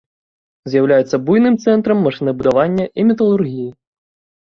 З'яўляецца буйным цэнтрам машынабудавання і металургіі.